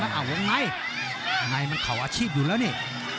เอาวงในวงในมันเขาอาชีพอยู่แล้วนี่